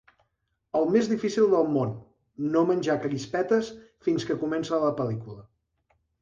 El més difícil del món: no menjar crispetes fins que comença la pel·lícula.